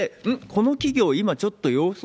この企業、今ちょっと様子